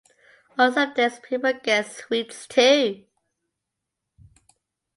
On some days people get sweets too.